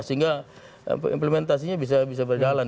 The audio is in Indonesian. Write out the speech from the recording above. sehingga implementasinya bisa berjalan